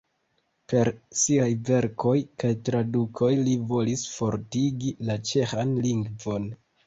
Per siaj verkoj kaj tradukoj li volis fortigi la ĉeĥan lingvon.